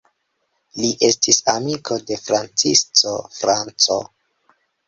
Li estis amiko de Francisco Franco.